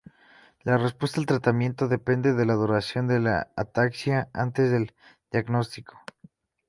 La respuesta al tratamiento depende de la duración de la ataxia antes del diagnóstico.